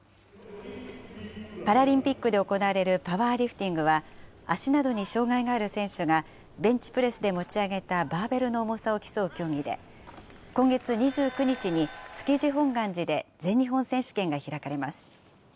パラリンピックで行われるパワーリフティングは、足などに障害がある選手が、ベンチプレスで持ち上げたバーベルの重さを競う競技で、今月２９日に、築地本願寺で全日本選手権が開かれます。